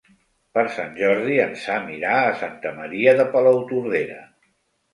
Per Sant Jordi en Sam irà a Santa Maria de Palautordera.